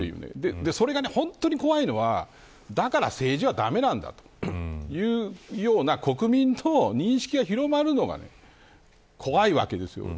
それが本当に怖いのはだから政治は駄目なんだというような国民の認識が広まるのが怖いわけです。